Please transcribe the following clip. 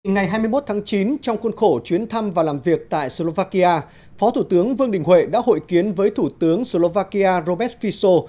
ngày hai mươi một tháng chín trong khuôn khổ chuyến thăm và làm việc tại slovakia phó thủ tướng vương đình huệ đã hội kiến với thủ tướng slovakia robet fiso